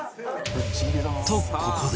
とここで